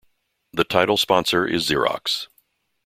The title sponsor is Xerox.